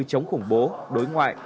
chống khủng bố đối ngoại